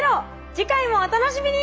次回もお楽しみに！